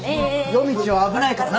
夜道は危ないからな。